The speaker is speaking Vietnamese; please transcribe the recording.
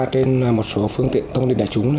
trên một số phương tiện thông linh đại chúng